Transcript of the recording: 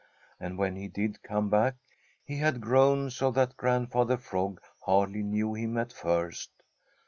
And when he did come back, he had grown so that Grandfather Frog hardly knew him at first.